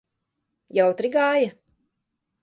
Jautri gāja?